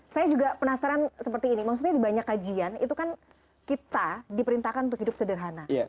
saya juga penasaran seperti ini maksudnya di banyak kajian itu kan kita diperintahkan untuk hidup sederhana